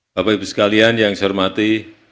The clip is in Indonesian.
bapak ibu sekalian yang saya hormati